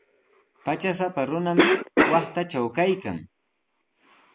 Patrasapa runami waqtatraw kaykan.